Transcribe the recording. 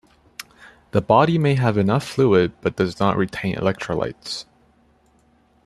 The body may have enough fluid but does not retain electrolytes.